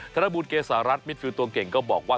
ธนบูลเกษารัฐมิดฟิลตัวเก่งก็บอกว่า